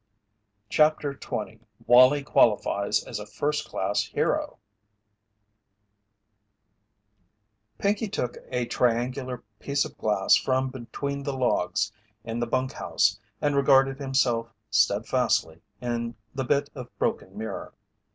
CHAPTER XX WALLIE QUALIFIES AS A FIRST CLASS HERO Pinkey took a triangular piece of glass from between the logs in the bunk house and regarded himself steadfastly in the bit of broken mirror.